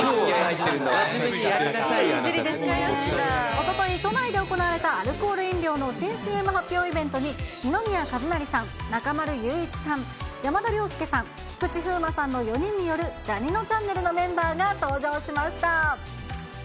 真面目にやりなさいよ、おととい、都内で行われたアルコール飲料の新ＣＭイベントに、二宮和也さん、中丸雄一さん、山田涼介さん、菊池風磨さんの４人による、ジャにのちゃんねるのメンバーが登場しました。